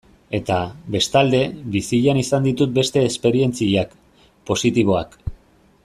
Eta, bestalde, bizian izan ditut beste esperientziak, positiboak.